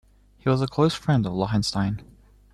He was a close friend of Lohenstein.